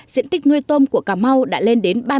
diện tích nuôi tôm của cà mau đã lên tầm ba hectare